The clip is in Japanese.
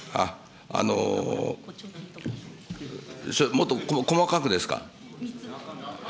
もっと細かくですか。